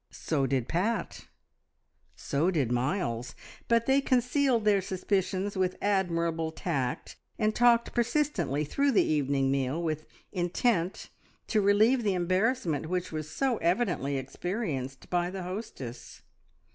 So did Pat; so did Miles; but they concealed their suspicions with admirable tact, and talked persistently through the evening meal with intent to relieve the embarrassment which was so evidently experienced by the hostess.